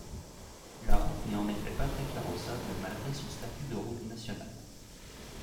La route n'est en effet pas très carrossable malgré son statut de route nationale.